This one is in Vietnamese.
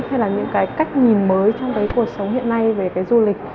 hay là những cách nhìn mới trong cuộc sống hiện nay về du lịch